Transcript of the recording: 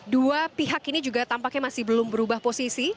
dua pihak ini juga tampaknya masih belum berubah posisi